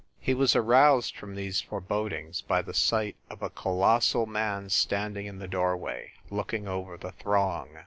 He was aroused from these forebodings by the sight of a colossal man standing in the doorway, looking over the throng.